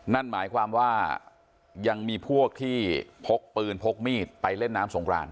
นั่นหมายความว่ายังมีพวกที่พกปืนพกมีดไปเล่นน้ำสงคราน